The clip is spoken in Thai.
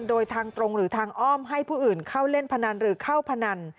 โดยทางตรงหรือทางอ้อมให้ผู้อื่นเข้าเล่นพนันหรือเข้าพนัน